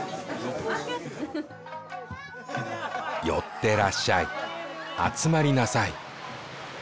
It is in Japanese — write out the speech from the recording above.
寄ってらっしゃい集まりなさい。